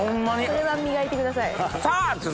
それは磨いてください。